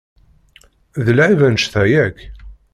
D lεib annect-a yakk?